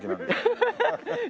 ハハハハッ。